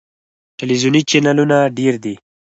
ټلویزیوني چینلونه ډیر دي.